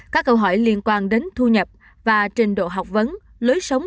các câu hỏi liên quan đến thu nhập và trình độ học vấn lối sống